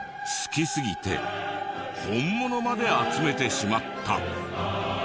好きすぎて本物まで集めてしまった。